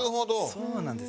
そうなんです。